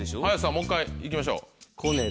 もう１回行きましょう。